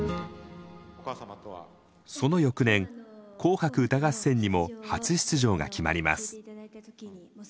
その翌年「紅白歌合戦」にも初出場が決まります。